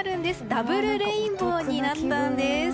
ダブルレインボーになったんです。